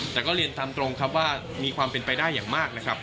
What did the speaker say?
แต่ก็เรียนตามตรงครับว่ามีความเป็นไปได้อย่างมากนะครับ